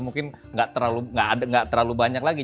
mungkin nggak terlalu banyak lagi